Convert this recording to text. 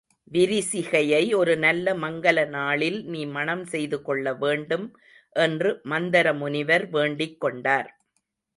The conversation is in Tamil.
விரிசிகையை ஒரு நல்ல மங்கல நாளில் நீ மணம் செய்து கொள்ளவேண்டும் என்று மந்தரமுனிவர் வேண்டிக் கொண்டார்.